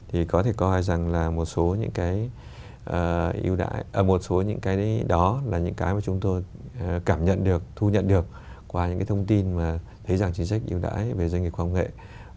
thì có thể coi rằng là một số những cái ưu đãi ở một số những cái đó là những cái mà chúng tôi cảm nhận được thu nhận được qua những cái thông tin mà thấy rằng chính sách yêu đãi về doanh nghiệp khoa học nghệ